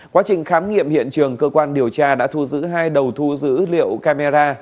quá trình khám nghiệm hiện trường cơ quan điều tra đã thu giữ hai đầu thu dữ liệu camera